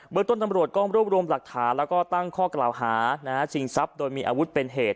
ต้นตำรวจก็รวบรวมหลักฐานแล้วก็ตั้งข้อกล่าวหาชิงทรัพย์โดยมีอาวุธเป็นเหตุ